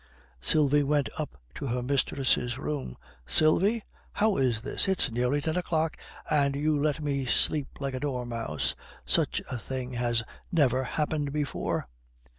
Sylvie went up to her mistress' room. "Sylvie! How is this? It's nearly ten o'clock, and you let me sleep like a dormouse! Such a thing has never happened before."